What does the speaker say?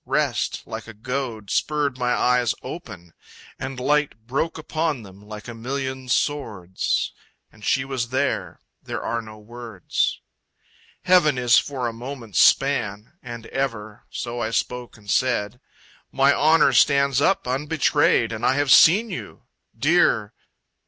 Rest, like a goad, Spurred my eyes open and light broke Upon them like a million swords: And she was there. There are no words. Heaven is for a moment's span. And ever. So I spoke and said, "My honor stands up unbetrayed, And I have seen you. Dear..."